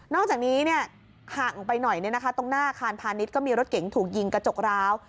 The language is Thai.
นอกจากนี้เนี่ยห่างไปหน่อยเนี่ยนะคะตรงหน้าคานพานิสก็มีรถเก๋งถูกยิงกระจกร้าว